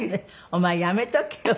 「お前やめとけよ。